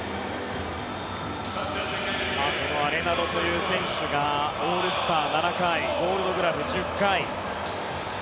このアレナドという選手がオールスター７回ゴールドグラブ１０回。